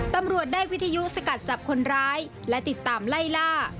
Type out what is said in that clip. ตำรวจได้วิทยุสกัดจับคนร้ายและติดตามไล่ล่า